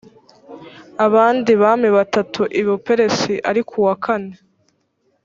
abandi bami batatu i buperesi ariko uwa kane